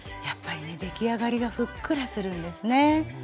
やっぱりね出来上がりがふっくらするんですね。